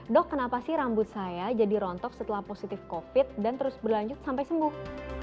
dok kenapa sih rambut saya jadi rontok setelah positif covid dan terus berlanjut sampai sembuh